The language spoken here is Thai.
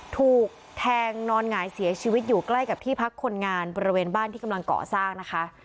ถูกแทงนอนหงายเสียชีวิตอยู่ใกล้กับที่พักคนงานบริเวณบ้านที่กำลังเกาะสร้างนะคะ